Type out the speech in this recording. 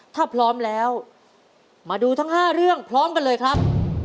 ถ้าพร้อมแล้วมาดูทั้ง๕เรื่องพร้อมกันเลยครับ